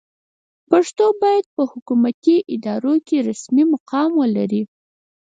پښتو باید په حکومتي ادارو کې رسمي مقام ولري.